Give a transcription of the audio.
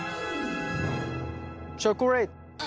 チョコレート。